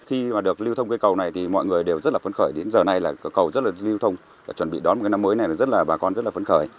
khi mà được lưu thông cây cầu này thì mọi người đều rất là phấn khởi đến giờ này là cầu rất là lưu thông chuẩn bị đón một năm mới này là rất là bà con rất là phấn khởi